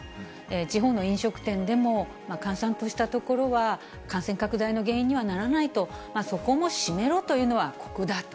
地方の飲食店でも閑散とした所は、感染拡大の原因にはならないと、そこも閉めろというのは酷だと。